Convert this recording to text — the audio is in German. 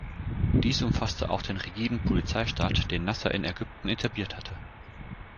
Dies umfasste auch den rigiden Polizeistaat, den Nasser in Ägypten etabliert hatte.